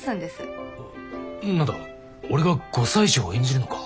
何だ俺が５歳児を演じるのか？